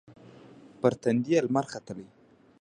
پر تندې یې لمر ختلي